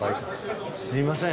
すみません。